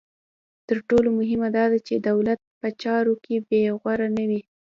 تر ټولو مهمه دا ده چې دولت په چارو کې بې غوري نه کوي.